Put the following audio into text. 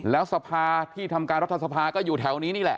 แล้วสภาที่ทำการรัฐสภาก็อยู่แถวนี้นี่แหละ